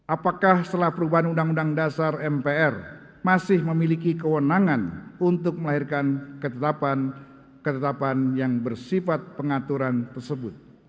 apakah setelah perubahan undang undang dasar mpr masih memiliki kewenangan untuk melahirkan ketetapan ketetapan yang bersifat pengaturan tersebut